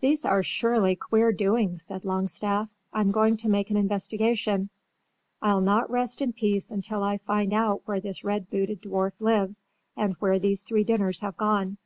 "These are surely queer doings," said Longstaff. "I'm going to make an investigation. I'll not rest in peace until I find out where this red booted dwarf lives and where these three dinners have gone.